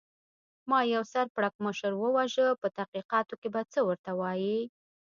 ما یو سر پړکمشر و وژه، په تحقیقاتو کې به څه ورته وایې؟